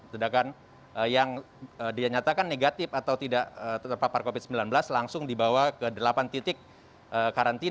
sedangkan yang dinyatakan negatif atau tidak terpapar covid sembilan belas langsung dibawa ke delapan titik karantina